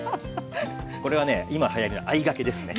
これはね今はやりのあいがけですね。